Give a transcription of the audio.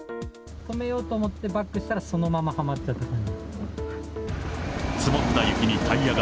止めようと思ってバックしたら、そのままはまっちゃった感じ。